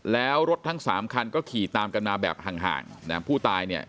แล้วรถทั้งสามคันก็ขี่ตามกันมาแบบห่างห่างนะผู้ตายเนี่ย